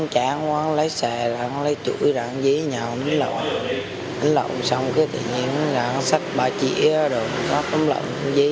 chẳng có nguyên liệu